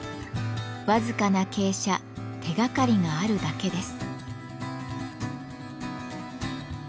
僅かな傾斜「手がかり」があるだけです。